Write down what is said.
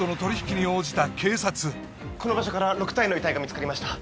この場所から６体の遺体が見つかりました